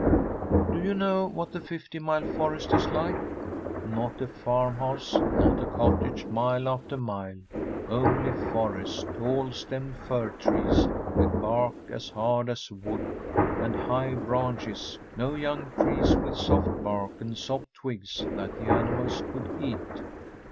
Do you know what the Fifty Mile Forest is like ? Not a farmhouse, not a cottage, mile after mile, only forest; tall stemmed fir trees, with bark as hard as wood, and high branches; no young trees with soft bark and soft twigs that the animals could eat.